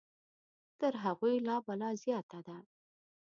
تر هغوی لا بلا زیاته ده.